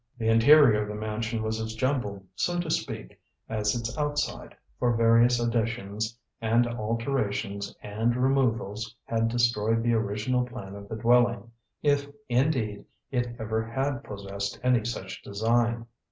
The interior of the mansion was as jumbled, so to speak, as its outside, for various additions and alterations and removals had destroyed the original plan of the dwelling, if, indeed, it ever had possessed any such design.